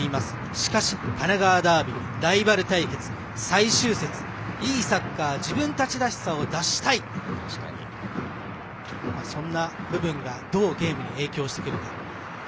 しかしライバル対決最終節、いいサッカー、自分たちらしさを出したいその部分が、どうゲームに影響してくるでしょうか。